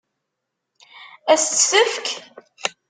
Ad s-tt-tefk?